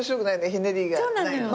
ひねりがないと。